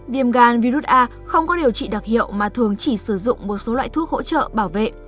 viêm gan virus a không có điều trị đặc hiệu mà thường chỉ sử dụng một số loại thuốc hỗ trợ bảo vệ